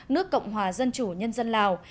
nước cộng hòa dân chủ nhân dân lào